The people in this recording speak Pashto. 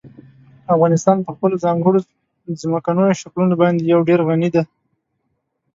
افغانستان په خپلو ځانګړو ځمکنیو شکلونو باندې یو ډېر غني دی.